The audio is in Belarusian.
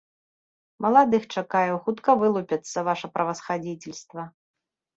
Маладых чакаю, хутка вылупяцца, ваша правасхадзіцельства.